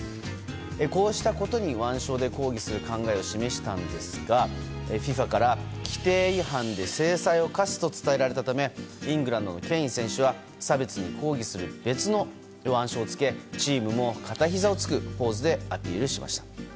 こうしたことに腕章で抗議する考えを示したんですがＦＩＦＡから規定違反で制裁を科すと伝えられたためイングランドのケイン選手は差別に抗議する別の腕章をつけ、チームも片ひざをつくポーズでアピールしました。